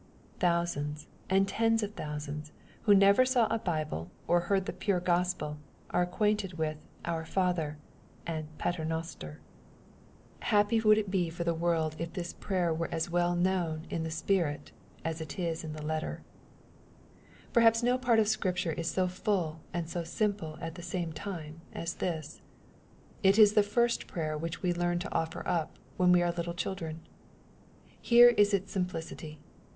Thousands, and tens of thousands, who never saw a Bible, or heard the pure Gospel, are acquainted with "Our Father," and " Paternoster." Uappy would it be 3 50 EXPOSITOBY TH0UQHT8. for the world^ if this prayer was as well knotm iu the spirit^ aa it is in the letter 1 Perhaps no part of Scripture is so full, and so simple at the same time, as this. It is the first prayer which we learn to offer np, when we are little children. Here is its simplicity.